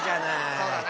そうだな。